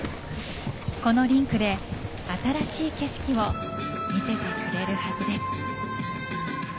このリンクで新しい景色を見せてくれるはずです。